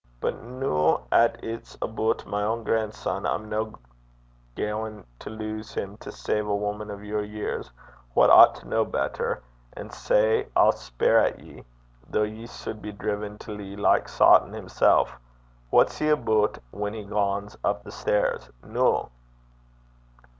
But noo 'at it's aboot my ain oye (grandson), I'm no gaein' to tyne (lose) him to save a woman o' your years, wha oucht to ken better; an sae I'll speir at ye, though ye suld be driven to lee like Sawtan himsel'. What's he aboot whan he gangs up the stair? Noo!'